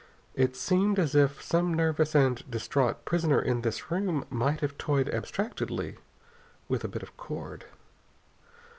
It seemed as if some nervous and distraught prisoner in this room might have toyed abstractedly with a bit of cord.